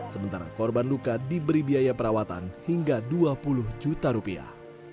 sementara korban luka diberi biaya perawatan hingga dua puluh juta rupiah